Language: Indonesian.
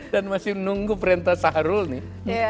dan masih menunggu perintah sarul nih